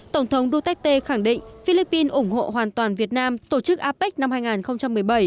tổng thống duterte khẳng định philippines ủng hộ hoàn toàn việt nam tổ chức apec năm hai nghìn một mươi bảy